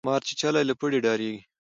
ـ مارچيچلى له پړي ډاريږي.